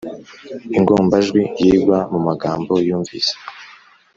ingombajwi yigwa mu magambo yumvise